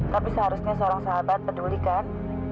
tapi seharusnya seorang sahabat peduli kan